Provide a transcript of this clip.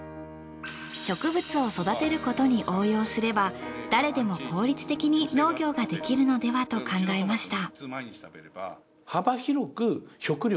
植物を育てることに応用すれば誰でも効率的に農業ができるのではと考えました。